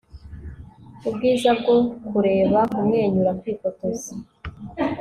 Ubwiza bwo kureba kumwenyura kwifotoza